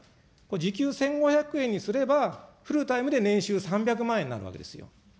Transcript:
時給１５００円にすれば、フルタイムで年収３００万円なのですよ。